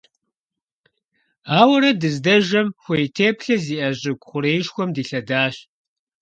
Ауэрэ дыздэжэм, хуей теплъэ зиIэ щIыгу хъуреишхуэм дилъэдащ.